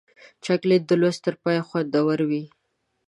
چاکلېټ د لوست تر پایه خوندور وي.